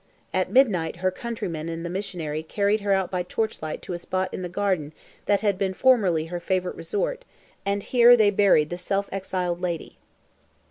At midnight her countryman and the missionary carried her out by torchlight to a spot in the garden that had been formerly her favourite resort, and here they buried the self exiled lady.